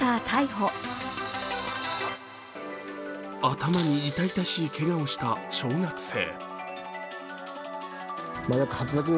頭に痛々しいけがをした小学生。